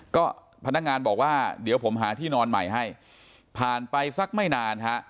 ก็พนักงานบอกว่าเดี๋ยวผมหาที่นอนใหม่ให้ผ่านไปสักไม่นานฮะ